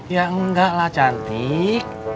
ya enggak lah cantik